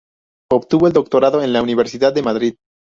Obtuvo el doctorado en la Universidad de Madrid.